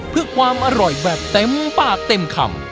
เพื่อความอร่อยแบบเต็มปากเต็มคำ